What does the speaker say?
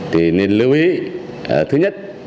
thì nên lưu ý thứ nhất